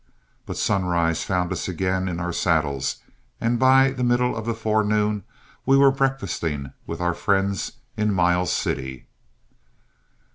But sunrise found us again in our saddles, and by the middle of the forenoon we were breakfasting with our friends in Miles City.